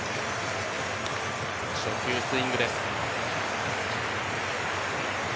初球、スイングです。